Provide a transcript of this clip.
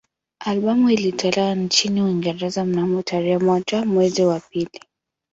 Albamu ilitolewa nchini Uingereza mnamo tarehe moja mwezi wa pili